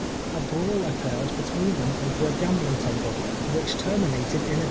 A brawl occurred between them over a gambling table, which terminated in a EPPS CHALLENGED.